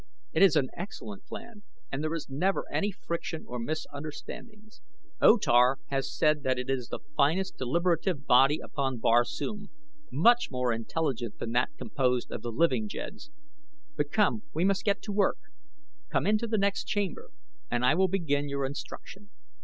It is an excellent plan and there is never any friction or misunderstandings. O Tar has said that it is the finest deliberative body upon Barsoom much more intelligent than that composed of the living jeds. But come, we must get to work; come into the next chamber and I will begin your instruction."